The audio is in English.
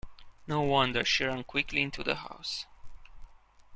No wonder she ran quickly into the house.